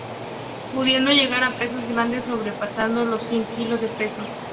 Pudiendo llegar a pesos grandes sobrepasando los cien kilos de peso.